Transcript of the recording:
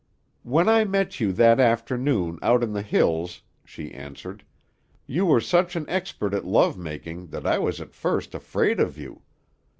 "When I met you that afternoon, out in the hills," she answered, "you were such an expert at love making that I was at first afraid of you.